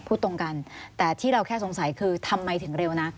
พูดตรงกันแต่ที่เราแค่สงสัยคือทำไมถึงเร็วนะ